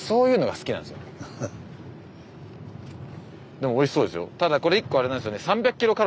でもおいしそうですよ。